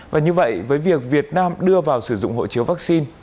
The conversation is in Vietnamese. và như vậy với việc việt nam đưa vào sử dụng hộ chiếu vaccine